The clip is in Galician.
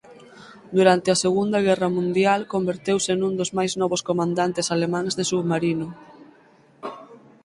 Durante a segunda guerra mundial converteuse nun dos máis novos comandantes alemáns de submarino.